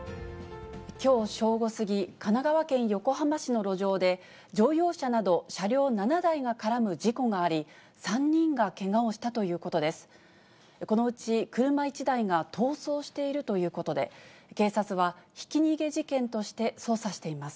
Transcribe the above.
きょう正午過ぎ、神奈川県横浜市の路上で、乗用車など車両７台が絡む事故があり、３人がけがをしたということです。